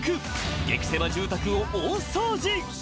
激セマ住宅を大掃除。